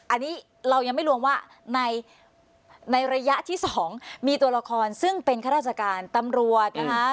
อันนี้เรายังไม่รวมว่าในระยะที่๒มีตัวละครซึ่งเป็นข้าราชการตำรวจนะคะ